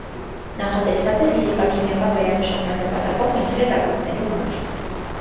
Նախատեսված է ֆիզիկաքիմիական վերամշակման նպատակով նյութերը տաքացնելու համար։